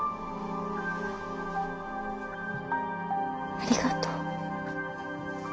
ありがとう。